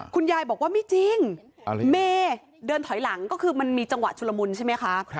คุณยายบอกว่าไม่จริงเมย์เดินถอยหลังก็คือมันมีจังหวะชุลมุนใช่ไหมคะ